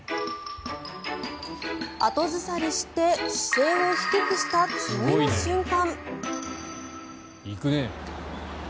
後ずさりして、姿勢を低くした次の瞬間。